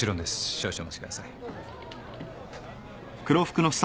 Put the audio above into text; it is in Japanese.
少々お待ちください。